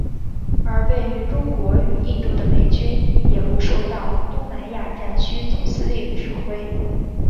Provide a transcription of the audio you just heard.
而位于中国与印度的美军也不受到东南亚战区总司令指挥。